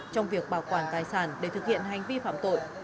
trong việc bảo quản tài sản để thực hiện hành vi phạm tội